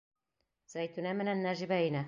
Зәйтүнә менән Нәжибә инә.